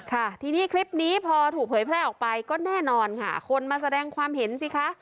ค่ะทีนี้คลิปนี้พอถูกเผยแพร่ออกไปก็แน่นอนค่ะคนมาแสดงความเห็นสิคะ